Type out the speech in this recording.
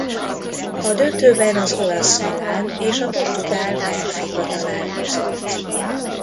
A döntőben az olasz Milan és a portugál Benfica találkozott.